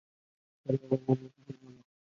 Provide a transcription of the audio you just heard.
长耳攀鼠属等之数种哺乳动物。